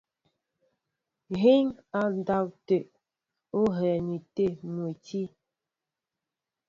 Yíŋ á ndáw tê, ó hɛ̂m̀in tê mwɛ̌ti.